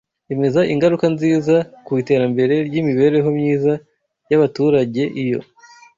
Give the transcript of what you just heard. Emeza ingaruka nziza ku iterambere ryimibereho myiza yabaturage iyo